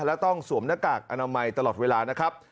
และต้องสวมหน้ากากอนามัยตลอดเวลานะครับ